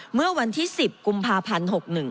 เมื่อวันที่๑๐กุมภาพันธ์๖๑